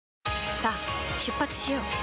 さあ出発しよう。